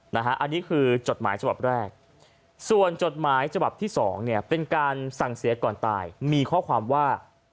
อันนี้คือจดหมายฉบับแรกส่วนจดหมายฉบับที่๒เนี่ยเป็นการสั่งเสียก่อนตายมีข้อความว่า